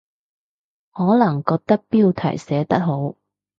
可能覺得標題寫得好